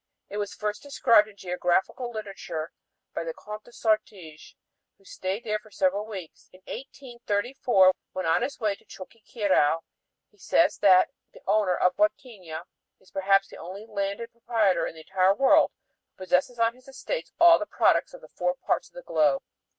It was first described in geographical literature by the Count de Sartiges, who stayed here for several weeks in 1834 when on his way to Choqquequirau. He says that the owner of Huadquiña "is perhaps the only landed proprietor in the entire world who possesses on his estates all the products of the four parts of the globe.